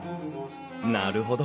なるほど。